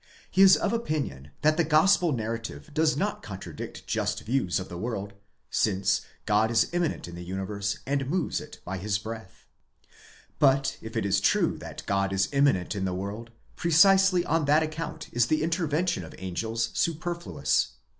He is of opinion that the gospel narrative does not contradict just views of the world, since God is immanent in the universe and moves it by his breath.'8 But if it be true that God is immanent in the world, precisely on that account is the intervention of angels superfluous.